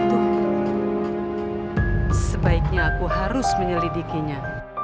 tuh sebaiknya aku harus menyelidikinya